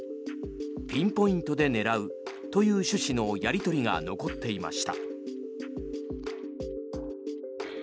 ピンポイントで狙うという趣旨のやり取りが残っていました。